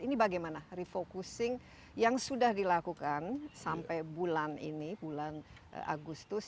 ini bagaimana refocusing yang sudah dilakukan sampai bulan ini bulan agustus